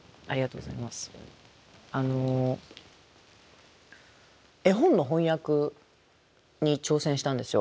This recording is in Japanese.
あの絵本の翻訳に挑戦したんですよ。